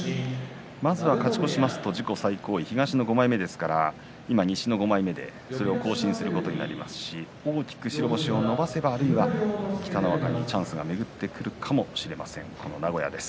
まずは勝ち越しますと自己最高位、東の５枚目ですから今、西の５枚目でそれを更新することになりますと大きく白星を伸ばせば北の若にもチャンスが巡ってくるかもしれませんこの名古屋です。